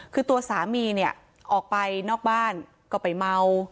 คือตัวสามีเนี่ยออกไปนอกบ้านก็ไปเมา